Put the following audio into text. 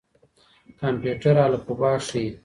کمپيوټر الفبې ښيي.